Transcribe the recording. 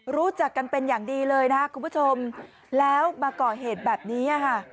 รู้จักกันเป็นอย่างดีเลยนะครับคุณผู้ชมแล้วมาก่อเหตุแบบนี้ค่ะ